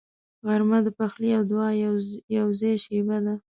غرمه د پخلي او دعا یوځای شیبه ده